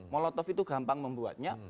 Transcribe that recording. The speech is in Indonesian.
molotov itu gampang membuatnya